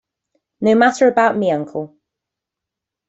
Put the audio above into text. No matter about me, uncle.